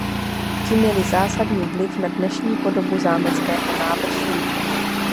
Ti měli zásadní vliv na dnešní podobu zámeckého návrší.